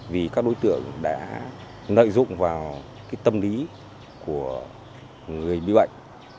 vì các đối tượng đã nợ dụng vào tâm lý của người bị bệnh